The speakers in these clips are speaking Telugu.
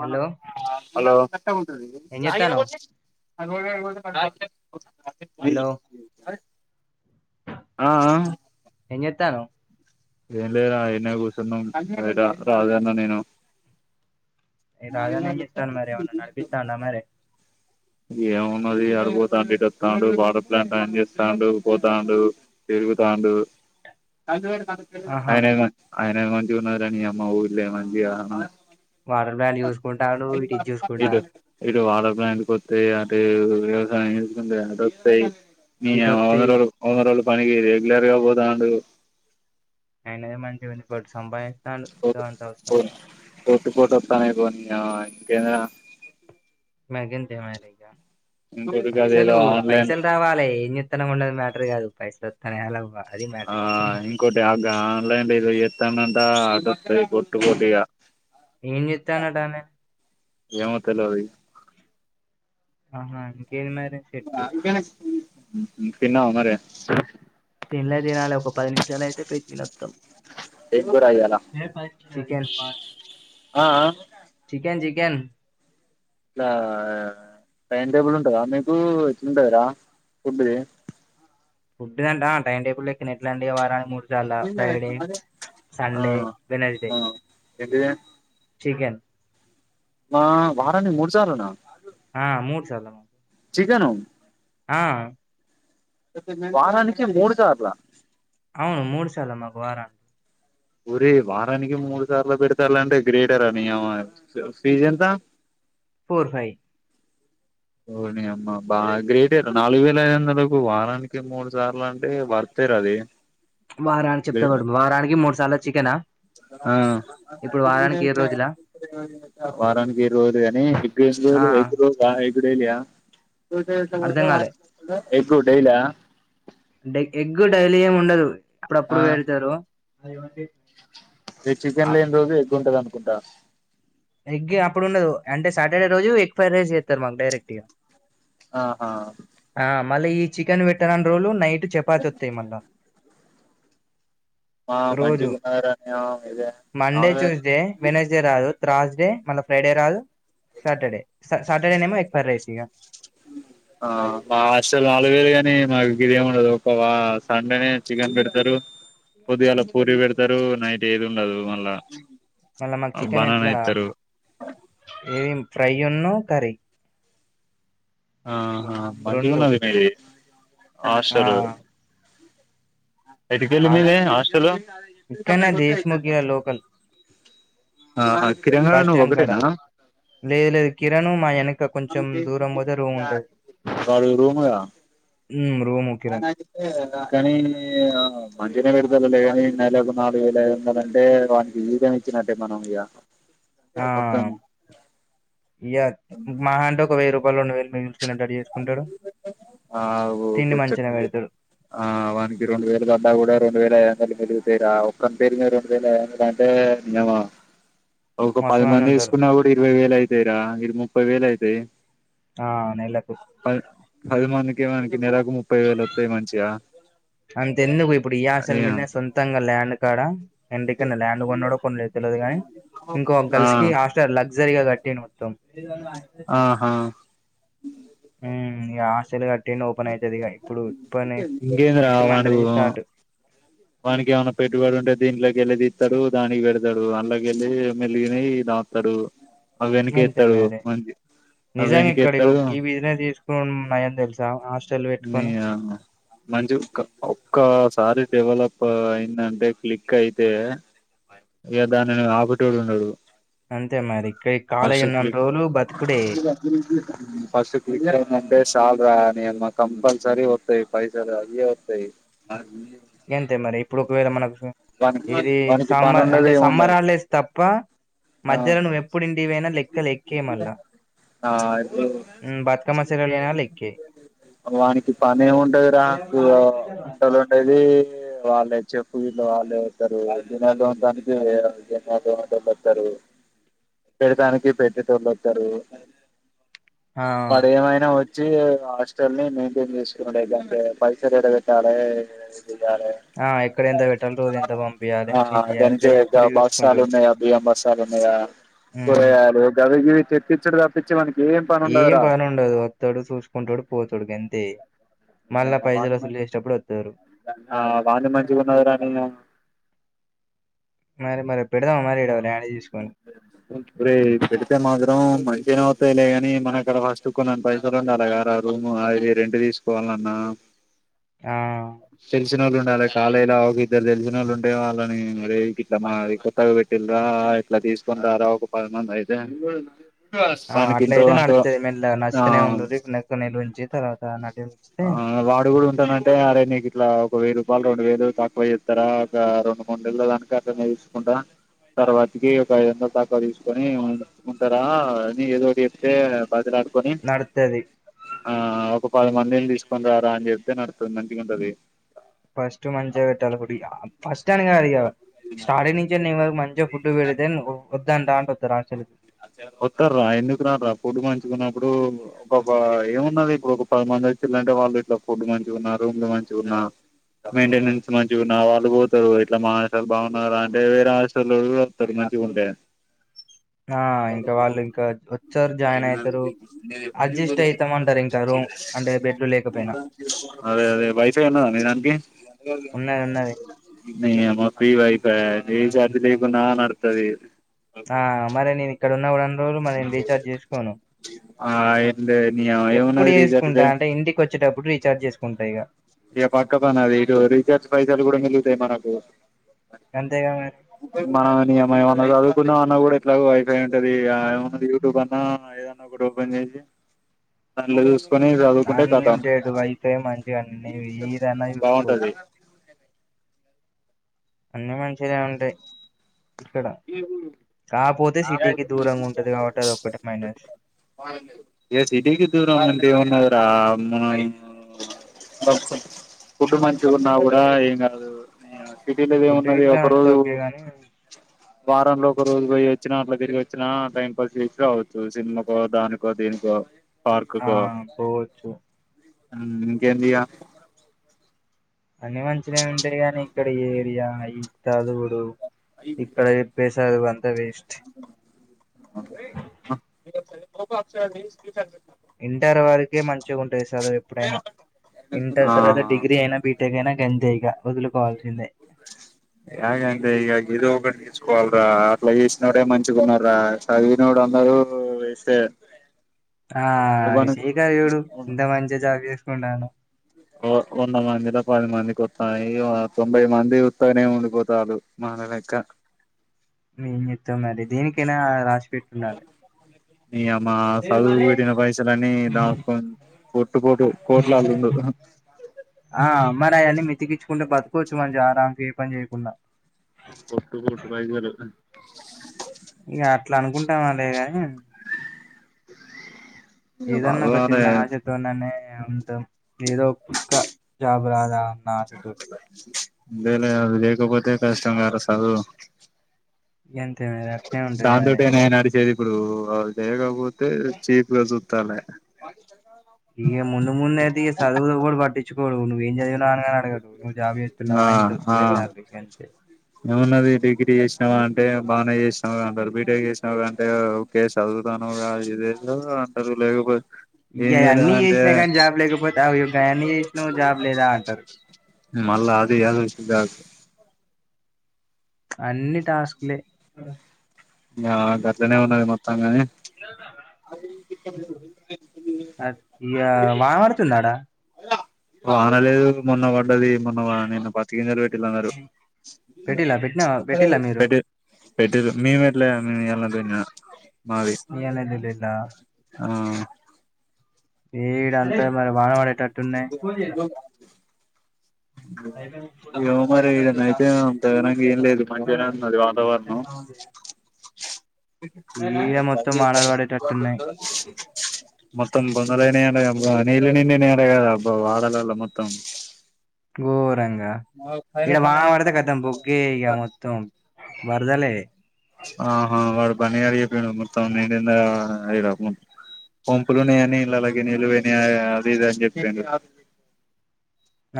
హలో ఏం చేత్తన్నావ్ హలో హలో ఆ ఏం చేతన్నావ్ ఏం లేదు ఆ ఇన్నె కూర్చునము బయట రాజన్న నేను ఏ రాజన్న ఏం చేత్తాండు మరి ఏమన్నా [unintelligible] నడిపిత్తాండా మరి ఏమున్నది ఆడిపోతాండు ఇటు వస్తాడు వాటర్ ప్లాంట్ ఆని చేస్తాడు పోతాడు తిరుగుతాండు ఆహా ఆయన ఆయన దే మంచిగా ఉన్నాదీరా నీ అమ్మ ఊళ్ళ మంచి వాటర్ ప్లాంట్ చూసుకుంటాడు ఇటు ఇది ఇటు చూసుకుంటాడు వాటర్ ప్లాంట్కి వస్తాయి అటు వ్యవసాయం చేసుకు అటు వస్తాయి నీ ఇటు అవ్వ వంద వత్తయి రోజులు వంద రోజులు పనికి రెగ్యులర్ గా పోతాడు అయినడి మంచిగా ఉంది సంపాదిస్తాడు [unintelligible] పోటు పోటస్తానయి పో నీ ఇంకేందిగా మరి గంతే మరి ఇంకోటి కాదు ఏదో పైసలు ఆన్లైన్ పైసలు రావాలి ఏం [unintelligible] మేటర్ కాదు పైసలు ఒత్తనయ లెవ్వ ఆ ఇంకోటి ఆ ఆన్లైన్ ఏదో చేతందట పొట్టు పొట్టు ఇగ ఏం చేత్తాండట ఆమె ఏమో తేలివది ఆహా ఇంకేది మరీ అ తిన్నావా మరి తినలే తినాలి ఒక పది నిమిషాలు అయితే పయి తినొత్తాం ఏం కూర ఇయ్యాల ఏ [inaudible] చికెన్ పార్ట్ ఆ ఆ చికెన్ చికెన్ ఆ టైం టేబుల్ ఉంటదా మీకు ఎట్లుంటదిరా ఫుడ్ది ఫుడ్ నంటా టైం టేబులో ఎక్నట్లండి వారానికి మూడు ఇవాళ ఫ్రైడే సండే వెన్సడే ఎంటిది చికెన్ మా వారానికి మూడుసార్లునా ఆ మూడు సాల మ చికెను ఆ వారానినకి మూడుసార్లా అవును మూడు సార్లే మాకు వారనికి పూరి వారానికి మూడు సార్లు పెడతలాంటే గ్రేటర నీయమ్మ ఫీజ్ ఎంత ఫోర్ ఫై వొర్ ని అమ్మ బాగా గ్రేటర్ నాలుగు వేల ఐదు వందలకు వారానికి మూడు సార్లు అంటే వర్ తేరాది వారానికి చెప్తావాడు వారానికి మూడు సార్లు చికెనా ఆ ఇప్పుడు వారానికి ఏడు రోజులా వారానికి ఏడు రోలు కానీ ఎగ్ ఎస్ ఆ తుమ్ ఎగ్తో బాయ్ గు డైలియ అర్ధం కాలే ఎగ్ డైల డె ఎగ్ ఎగ్గు డైలీ ఏమి ఉండదు అప్పుడప్పుడు పెడతారు రేపు చికెన్ లేని రోజు ఎగ్గుంటది అనుకుంటా ఎగ్ అప్పుడు ఉండదు అంటే సాటర్డే రోజు ఎగ్ ఫ్రైడ్ రైస్ చేస్తారు మాకు డైరెక్ట్గా ఆహా మళ్ళీ ఈ చికెన్ పెట్టనని రోజలు నైట్ చపాతి వస్తాయి మళ్ళా ఆ రోజు మంచిగున్నదిరా నీ అవ్వ ఇదే మండే నాలుగు ట్యూస్డే వెన్స్డే రాదు రాస్డే మళ్ళ ఫ్రైడే రాదు సాటర్డే సాటర్డే నమో ఎక్ పర్ రేస్ ఇక ఆ మా హాస్టల్ నాలుగు వేలు గాని మాకు గిది ఏమి ఉండదు ఒక ఆ సండేనే చికెన్ పెడతారు పొద్దుగాలా పూరి పెడతారు నైట్ ఏది ఉండదు మళ్ళా మళ్ళ మాకు చికెన్ బనానా ఎట్లా ఇత్తరు ఏం ఫ్రైన్ను కర్రీ ఆహా మంచిగా రెండు ఉన్నది మీది ఆ హాస్టల్ రువ్ ఎటికెల్ మీది హస్టలు ఇక్కడనే దేశముఖిల లోకల్ ఆ మరి బస్ స్టాండ్ కడా లేద లేదు కిరణూ మయనుకు కొంచెం దూరం వొదరు ఉండదు వాడు రూమ్గా ఉమ్ కానీ మంచిగనే లేదు కాని నెలలకు నాలుగుే లే ఏ కదంటే వానికి ఈీజం ఇచ్చినట్టే మనం ఇక ఆ ఒక్క ఇగ మాహ అంటే ఒక వెయ్యి రూపాయలు రెండువేలు పె చకుంట అడ చేసుకుంటారు ఆగు ముచ్చట్లు చెప్పు పెడతాడు ఆ వన్కి రెండువేలు కట్టగుడద్ రెండువేల కల్లు కల్లు పేరా ఒక్కని పేరు మీద రెండు వేల అంటే నియమ్మా ఒక మస్తు పది మంది ఉంటారు వేసుకున్నా కూడా ఇరవై వేలు అయితాయిరా ఇ ముప్పై వేలు అవుతాయి ఆ నెలలకు అది మందికి మనకి నెలకు ముప్పై వేలు వస్తాయి మంచిగా అంత ఎందుకు ఇప్పుడు ఈ ఆసల అయ్యా మీద సొంతంగా ల్యాండ్ కాడ ఎంటక ల్యాండ్ కొన్నా కొన్ని తెలిదు కానీ ఇంకో ఆ గర్ల్స్ కిస్టర్ ల సరిగా కట్టి మొత్తం ఆహా ఆస్లు టెన్ ఓపెన్ అవుతుంది ఇప్పుడు ఇ నెక్స్ట్ మంత్ నుంచి స్టార్ట్ మననికి ఏమనా పెట్టుబడు ఉంటే దీంలోకి వెళ్ళది ఇస్తారు దానికి పెడత రు అల్గలి మెల్గనే దతారు అవ వెనక గంతే ఇస్తాడు మరి మంచి అవ వెనక ఇస్తాడు నై తె న మంచి ఒ ఒక్కసారి డెవలప్ అయిందంటే క్లిక్ అయితే ఇక దాని ఆపిటోడు ఉన్నాడు అంతే మా ఫస్ క్లిక్ ఫస్ క్లిక్ సాల కంపల్సరి తుాయి పైసా అదే వస్తాయి ఏంతే మరి ఇప్పుడు ఒకవేళ మనకు వానికి ఇది వానికి సమ్మ పని ఉండదు అంటే ఏముండదు సమ్మరాళ్ళు వ తప్ప ఆ మధ్యలో నువ్వు ఎప్పుడుంటి నా లక్క లక్కేమల్ల ఆ ఇప్పుడు బద్కా మసలా లేనా లేే వానికి పని ఏమి ఉంటది రాకు వంటలుండేది వాళ్ళే చెప్పులు వాళ్ళే వతారు జనాలుడాానికి జనాలు వస్తారు పెడటానికి పెట్టేటోళ్ వచ్చారు ఆ వాడు ఏమైనా వ వచ్చి హాస్టల్ ని మెయింటైన్ చేసుండంటే పైస రడ పెట్టాలి లే ఆ ఎక్కడ ఎంత పెట్టాలి రోజు ఎంత పంపియాలి ఏం చేయాలి వెంచ గయి ఒక్కడు బస్ సాలు చూసుకుంటాడు ఉన్నా బియ బస్ సాల ఉన్నా మ్మ్ పోరు అవికివి తెప్పించడు తప్పించి మనకి పని ఏం ఉండదురా బానే ఉండదు వస్తాడు చూసుకుంటాడు పోతాడు గంతే మ్ మళ్ళా వా పైసలు మ వసూలు చేసేటప్పుడు వత్తరు వాంది మంచిగా ఉన్నది రా నయ్య మరి మరి పెడదామా మరి ఈడ ల్యాండ్ తీసుకొని పెడిత మాదిరం మ ఏమ అవుతాయిలేగాని మన అక్కడ ఫస్ట్ కొన్నిన్ని పైసలు ఉండి అలాగ రూమ్ అవి రెంట్ తీసుకు పోలన్న ఆ తెినళ్ళు ఉండాలి కాలళలా ఒక ఇద్దరు తెలిసిన వాళ్ళు ఉంటే వాళ్ళని అే ఇట్లా మాది కొత్తగా పెట్టి రా ఇట్లా తీసుకుంటారా ఒక పదిమంది అయితే ఆ వానికి అట్ల ఎంతో అయితే కొంత నడు మ ఆ నచ్చితనే ఉండక్క నలు ఉంచి తర్వాత నటి ఆ వాడు కూడా ఉంటానంటే ఆడ నీకు ఇట్లా వెయ్యిూపాలు రెండు వేలు తక్కువ ఇస్తారా ఒక రెండు మూండేళ్ళల్లో దాక అక్క తీసుకుంటా తర్వాతికి ఒక ఐదు వంద తక్కువ తీసుకొనికుంటారా అని ఏదోటి చెప్తే బతిలాడు ని నడుత్తది ఆ ఒక మనలి తీసుకొ ఆ రా అం చెప్దే నడతది మంత ఉంటది ఫస్ట్ మంచి పెట్టాలడి ఫస్ట్ ఇష్టానికిదు క స్టార్టింగ్ నుే నేను వరకు మంచిగా ఫుడ్ పెడితే వద్దదుంటా అంట వస్తారు అసలకి అ వస్తారు రా ఎందుకు రా రా పుడు మంచుకున్నప్పుడు ఒక ఏమున్నది ఇప్పుడు ఒక పదిమంది టే వాళ్ళు ఇట్లో ఫుడ్ మంచిగా ఉన్నా రూమ్లు మంచిగాన్నా మెయింటెనెన్స్ మంచిగాన్నా వాళ్ళు పోతారు ఇట్లా మా హాటయాలు బాగున్నారా అంటే వేరే ఆట వస్తారు ది ఉంటే ఆ ఇంకా వాళ్ళు ఇంకా వచ్చారు జాయిన్ అవుతారు అడ్జస్ట్ అవుతాం అంటారు ఇంక రూ అదే అదే వైఫై ఉన్నదన్నననికి ఉన్నది ఉన్నది న అమా ప్రీ వైఫై ఏ గదుపో నా నడతది ఆ మరి నేను ఇక్కడ ఉన్న కూడన్ని రోజులు మరి నేను రీఛార్జ్ చేసుకోను ఆ ఏందే నీ యమ్మ ఎప్పుడు ఏమున్నది రీఛార్జ్ చేసుకుంటా లే అంటే ఇంటికి వచ్చేటప్పుడు రీచార్జ్ చేసుకుంటా ఇగ ఇగ పక్క పనా అది ఇటు రీచార్జ్ పైసాలు కూడా మిలుగుతాయి మనకు అంతేగా మరి మనమా నీయమ్మ ఏమన్న చదువుకుండా మన్నా కూడా ఎట్లాగో వైఫై ఉంటది ఇగ ఏమన్న యూట్యూబ్ అన్నా ఏదన్నా ఒకటి ఓపెన్ చేసి దానిలో చూస్ అన్లిమిటెడ్ వైఫై మంచిగా ఏదైనా చూసుకోవచ్చు బాగుంటది అన్నీ మంచిగానే ఉంటాయి ఇక్కడ కాపోతే సిటీకి దూరంగా ఉంటది కాబట్టి అదొక్కటి మైనస్ ఇగ సిటీకి దూరమంటే ఏమున్నది రా మ్మా ఫుడ్ మంచిగున్నా కూడా ఏం కాదు ఫుడ్ సిటీలోదేమున్నది ఇట్లా ఒక అంత రోజు ఓకే గాని వారంలో ఒక రోజు పోయి వచ్చినా అట్లా తిరిగి వచ్చినా టైం పాస్ చేసినా అవుతది సినిమాకో దానికో దేని కో ఆ పార్కుకో పోవచ్చు ఊ ఇంకెందిగా అన్ని మంచిగానే ఉంటాయి కాని ఇక్కడ ఏరియా ఈ చదువులు ఇక్కడ చెప్పే చదువులంతా వేస్ట్ ఇగ ఇంటర్ వారికే మంచిగా ఉంటది చదువు ఎప్పుడైనా ఇంటర్ ఆ తర్వాత డిగ్రీ అయినా బీటెక్ అయినా గంతే ఇగ వదులుకోవాల్సిందే ఐనా ఇంక ఇగ ఏదోకటి తీసుకోవాలి రా అట్లా చేసినోడే మంచిగున్నాడు రా సదివినోడు అందరు వేస్టే ఆ ఎవ్వను శేఖర్ చూడు ఎంత మంచిగా జాబ్ చేసుకుంటాడు వంద మందిలో పది మందికి వత్తన్నై తొంభై మంది ఉత్తగనే ఉండిపోతాన్నారు మన న లెక్క ఏం చేత్తం అది దేనికైనా రాసి పెట్టుండాలి నీ యమ్మ చదువు పెట్టిన పైసలన్ని దాచుకో ఆ మరి అయ్యన్ని మితికిచ్చుకుంటే బతుకోవచ్చు మంచిగా గా ఏం పని చేయకుండా కొట్టు కొట్టు ఒక ఐదు వేలు ఇగ అట్లా అనుకుంటాం లేే గానీ ఇగ ఏదన్న ఒక చదవాలే చిన్న ఆశా తో ఉన్నానే ఉంటాం ఏదో పక్క జాబ్ రాదా అన్న ఆశతోటి లే లే అవి లేకపోతే కష్టం గదరా చదువు గంతే మరి అట్నే ఉంటది మరి దాంతోటే నే నడిసేది ఇప్పుడు అవి లేకపోతే చీప్గా చూత్తాలు ఇగ ముందు ముందు అయితే ఈ సదువు నెవడు పట్టిించుకోడు నువ్వు ఏం చదివినావు అని గాని అడగడు నువ్వు జాబ్ ఆ చేత్తన్నావా ఎంత ఆ అవుతున్నాయి శాలరీ గంతే ఏమున్నది డిగ్రీ చేసినావా అంటే బానే చేసినావ్ గా అంటారు బీటెక్ చేసినా అంటే ఊకె చదు తాన్నవు గా ఏదేదో అంటారు లేకపోతే ఇగ ఏం అయన్నీ చేయలేదంటే చేసినా గానీ జాబ్ లేకపోతే అవి ఇవన్నీ చేసినా జాబ్ లేదా అంటారు మళ్లా అది [unintelligible] అన్ని టాస్క్లే నా గట్లనే ఉన్నది మొత్తం గాని ఇగ వాన పడుతుందా ఆడ వాన లేదు మొన్న వ డ్డది మొన్న నిన్న పత్తి గింజలు పెట్టిలందరూ పెట్టిలా పెట్టినా పెట్టిలా మీరు పెట్టి పెట్టిరు మేము పెట్లా ఇయ్యాల నిన్న మాది ఇయ్యాలలా ఆ ఇడ అంతా మరి వాన పడేటట్టున్నాయి మరి ఇడ నైయితే అంత విన ఏం లేదు మంచిగానే ఉంది వాతావరణం ఈడ [unintelligible] మొత్తం వానలు పడేటట్టున్నాయి మొత్తం బొందలనే అడగబ్బా నీలినిన్ననే అడగద అబ్బా వాదనల మొత్తం ఘోరంగా ఇక్కడ వాన పడితే కదాం బొగ్గే ఇక మొత్తం వరదలే ఆహా వాడు పని అడిగి పోయిండు మొత్తం మీరు ఏంది ఆయ యిగ మె పంపులునే అని ఇల్లా అలాగే నీళ్లు పోయినివి అని అది ఇది అని చెప్పిండు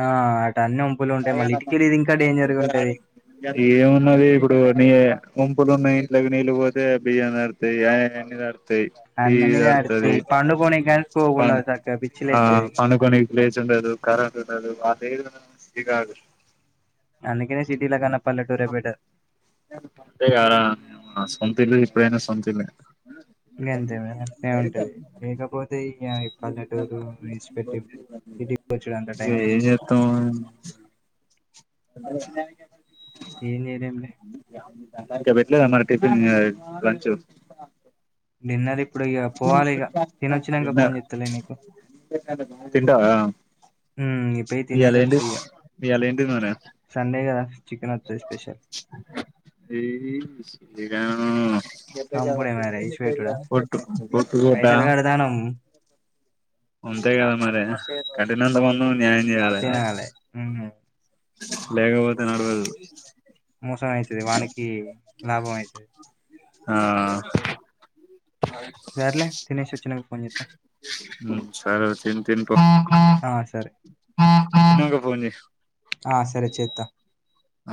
ఆ అన్ని వంపులు ఉంటాయి మళ్ళీ ఇటుకెళ్ళిది ఇంకా డేంజర్గా ఉంటది ఏమున్నది ఇప్పుడు నీ పంపులు ఉన్నాయి లేగు నీళ్లు పోతే బియ్యం తడుస్తాయి. టీవీ అన్ని తడుస్తాది నడుత్తయి పండుకోనికి గాని స్కోప్ ప ఉండదు సక్కగా పిచ్చి ఆ లేత్తది పనుకొని లేచా ఉండదు కరెంట్ ఉండదు అదేదగ అందుకనే సిటీల కన్న పల్లెటూరే బెటర్ అంతే గారా నా సొంతిల్లు ఇప్పుడైనా సొంతిల్లు ఇంక అంతే మరి అంటనే ఉంటది లేకపోతే ఏమో ఈ పల్లెటూరు ఇన్స్పెక్టివ్ సిటీ వచ్చుడు అంత టైం ఇగ ఏం వేస్ట్ చేత్తం అ ఏం చేయాలేం లే ఇంకా పేట్లే అన్న టిఫిన్ లంచ్ నిన్న ది ఇప్పుడు ఇక పోవాలి ఇక తినొచ్చినక తిన్నా ఫోన్ చేస్తలే నీకు తింటావా ఉమ్ ఇగ పోయి ఇయళ తినేసి వత్త ఏంటి ఇగ ఇయళ ఏం తిన్నావ్ రా సండే కదా చికెన్ వండుతది స్పెషల్ ఏ చిక్కినా చంపుడే మరి ఇడిసి పెట్టుడా ఒట్టు ఒట్టు గోట్టా పైసలు కడతానం అంతే కదా మరి కఠినంత ముందు న్యాయం చేయాలి తినాలే ఉమ్ లేకపోతే నడవదు మోసం అయితది వానికి లాభం అయితది ఆ సార్లే తినేసి వచ్చినక పోని ఉమ్ సరే తిన్ తిన్ పో ఆ సరే తిన్నాక పోన్ చేయి ఆ సరే చేస్తా ఆ